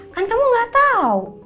kan kamu gak tau